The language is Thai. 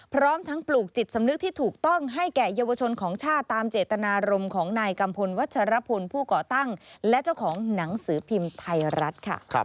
พร้อมทั้งปลูกจิตสำนึกที่ถูกต้องให้แก่เยาวชนของชาติตามเจตนารมณ์ของนายกัมพลวัชรพลผู้ก่อตั้งและเจ้าของหนังสือพิมพ์ไทยรัฐค่ะ